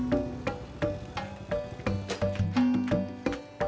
gue kepala kakaknya gak ada